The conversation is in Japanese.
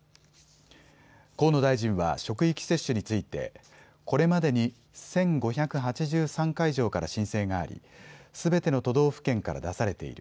河野大臣は職域接種についてこれまでに１５８３会場から申請があり、すべての都道府県から出されている。